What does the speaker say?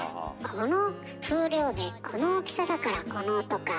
この風量でこの大きさだからこの音か。